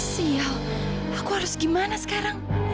sial aku harus gimana sekarang